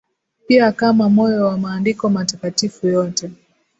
Pia kama moyo wa Maandiko matakatifu yote